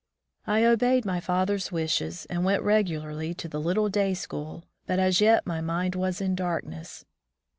I obeyed my father's wishes, and went regularly to the little day school, but as yet my mind was in darkness.